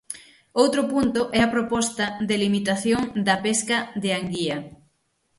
Outro punto é a proposta de limitación da pesca de anguía.